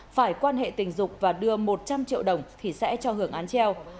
phải quan hệ tình dục và đưa một trăm linh triệu đồng thì sẽ cho hưởng án treo